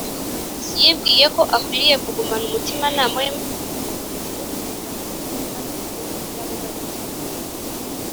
yibwiye ko akwiriye kugumana umutimanama we, maze agumana ingeso yo kunenga no kutanyurwa n’ibikorwa by’abo bari kumwe